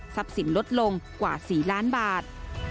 ทรัพย์สินลดลงกว่า๔ล้านบาท